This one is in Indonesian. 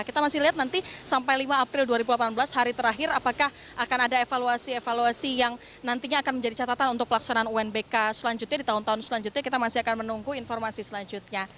kita masih lihat nanti sampai lima april dua ribu delapan belas hari terakhir apakah akan ada evaluasi evaluasi yang nantinya akan menjadi catatan untuk pelaksanaan unbk selanjutnya di tahun tahun selanjutnya kita masih akan menunggu informasi selanjutnya